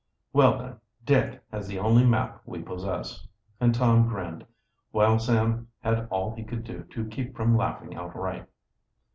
"Well, then, Dick has the only map we possess." And Tom grinned, while Sam had all he could do to keep from laughing outright.